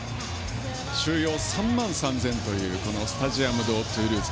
収容３万３０００というスタジアム・ド・トゥールーズ。